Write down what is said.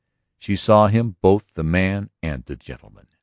She saw in him both the man and the gentleman.